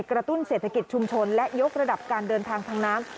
ตุ้นเศรษฐกิจชุมชนและยกระดับการเดินทางทางน้ำ